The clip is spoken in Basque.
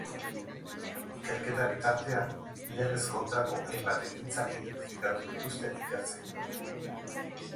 Ikerketa bitartean, legez kontrako hainbat ekintza identifikatu dituzte ikertzaileek.